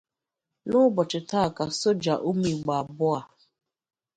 N’ụbọchị taa ka soja ụmụ Igbo abụọ a